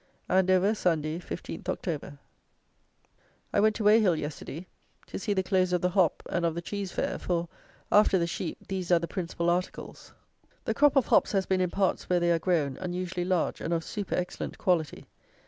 Andover, Sunday, 15th October. I went to Weyhill, yesterday, to see the close of the hop and of the cheese fair; for, after the sheep, these are the principal articles. The crop of hops has been, in parts where they are grown, unusually large and of super excellent quality.